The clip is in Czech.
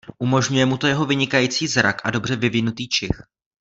Umožňuje mu to jeho vynikající zrak a dobře vyvinutý čich.